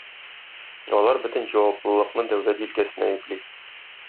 Алар бөтен җаваплылыкны дәүләт җилкәсенә йөкли.